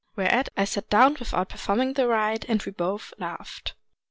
Whereat I sat down without performing the rite ; and we both laughed.